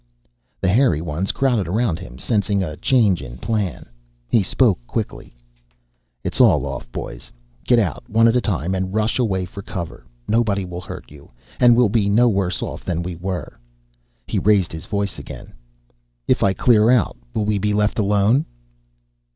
The hairy ones crowded around him, sensing a change in plan. He spoke quickly: "It's all off, boys. Get out, one at a time, and rush away for cover. Nobody will hurt you and we'll be no worse off than we were." He raised his voice again: "If I clear out, will we be left alone?"